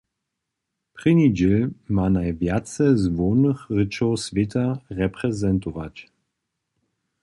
Prěni dźěl ma najwjace z hłownych rěčow swěta reprezentować.